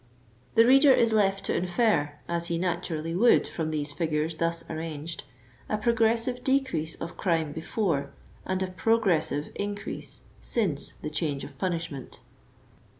The reader is left to infer, as he naturally would, from these 6gures thus arranged, a progressive decrease of crime before, and a progrcs. sive increase, since the change of punishment.